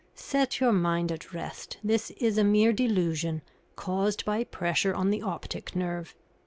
Set your mind at rest; this is a mere delusion, caused by pressure on the optic nerve.